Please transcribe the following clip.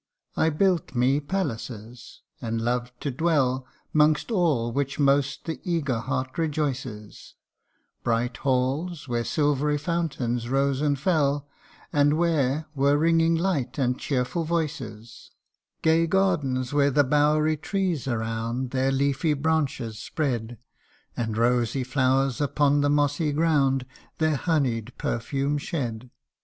I built me palaces, and loved to dwell 'Mongst all which most the eager heart rejoices ; Bright halls, where silvery fountains rose and fell, And where were ringing light and cheerful voices ; Gay gardens where the bowery trees around Their leafy branches spread, And rosy flowers upon the mossy ground Their honey 'd perfume shed.